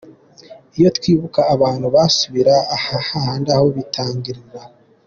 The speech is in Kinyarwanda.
Iyo twibuka abantu basubira ha handi aho bitangirira.